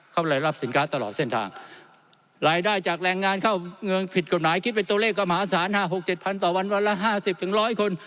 ก็มหาศาลห้าหกเจ็ดพันต่อวันวันละห้าสิบถึงร้อยคน